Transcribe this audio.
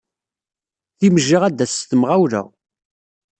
Timejja ad d-tass s temɣawla.